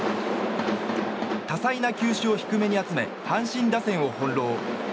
多彩な球種を低めに集め阪神打線を翻弄。